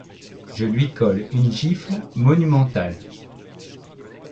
je lui colle une gifle monumentale.